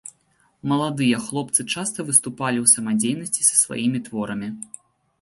Маладыя хлопцы часта выступалі ў самадзейнасці са сваімі творамі.